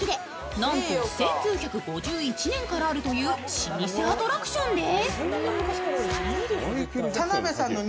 なんと１９５１年からあるという老舗アトラクションです。